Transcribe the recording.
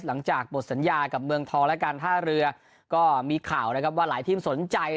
หลังจากหมดสัญญากับเมืองทองและการท่าเรือก็มีข่าวนะครับว่าหลายทีมสนใจ